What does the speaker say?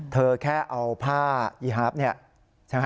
เธอแค่เอาผ้าอีฮาร์ฟเนี่ยใช่ไหม